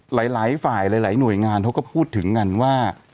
หลายฝ่ายหลายหน่วยงานเขาก็พูดถึงกันว่า